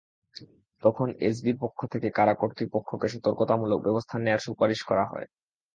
তখন এসবির পক্ষ থেকে কারা কর্তৃপক্ষকে সতর্কতামূলক ব্যবস্থা নেওয়ার সুপারিশ করা হয়।